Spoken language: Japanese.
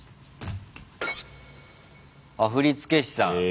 あっ振付師さん。